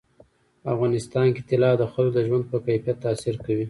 په افغانستان کې طلا د خلکو د ژوند په کیفیت تاثیر کوي.